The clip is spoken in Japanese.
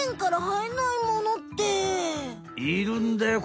いるんだよ